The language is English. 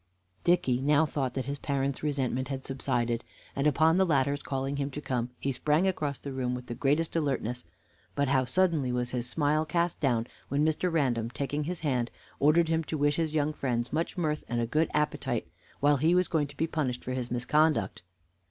Dicky now thought that his parent's resentment had subsided, and, upon the latter's calling to him to come, he sprang across the room with the greatest alertness; but how suddenly was his smile cast down when Mr, Random, taking his hand, ordered him to wish his young friends much mirth and a good appetite, while he was going to be punished for his misconduct.